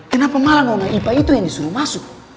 kenapa malah ngomong ipa itu yang disuruh masuk